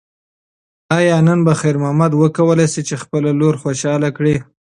ایا نن به خیر محمد وکولی شي چې خپله لور خوشحاله کړي؟